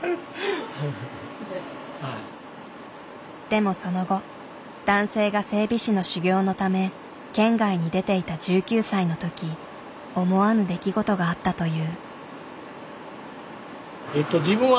でもその後男性が整備士の修業のため県外に出ていた１９歳の時思わぬ出来事があったという。